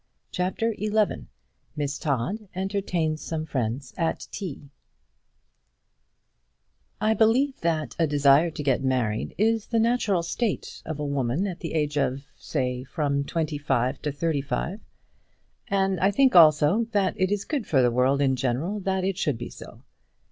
CHAPTER XI Miss Todd Entertains Some Friends at Tea I believe that a desire to get married is the natural state of a woman at the age of say from twenty five to thirty five, and I think also that it is good for the world in general that it should be so.